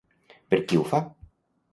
Per qui ho fa?